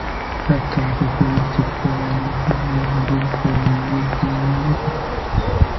هەرکاتێک پێویستت بە یارمەتیی من بوو پەیوەندیم پێوە بکە.